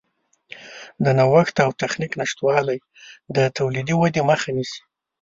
د نوښت او تخنیک نشتوالی د تولیدي ودې مخه نیسي.